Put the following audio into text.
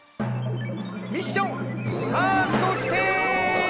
ミッションファーストステージ。